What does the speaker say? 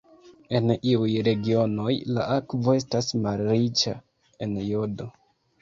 En iuj regionoj la akvo estas malriĉa en jodo.